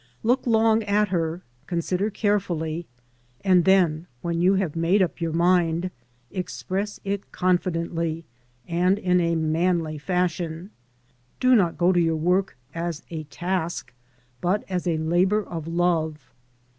Look long at her, consider carefully, and then, when you have made up your mind, express it confidently and in a manly fashion. Do not go to your work as a task, but as a labour of love.